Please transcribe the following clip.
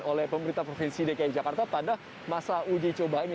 oleh pemerintah provinsi dki jakarta pada masa uji coba ini